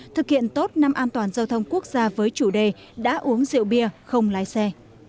thực hiện tốt năm an toàn giao thông quốc gia với chủ đề đã uống rượu bia không lái xe